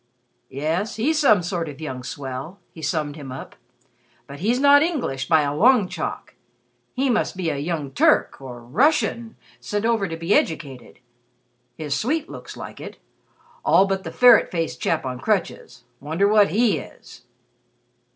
"Yes, he's some sort of young swell," he summed him up. "But he's not English by a long chalk. He must be a young Turk, or Russian, sent over to be educated. His suite looks like it. All but the ferret faced chap on crutches. Wonder what he is!"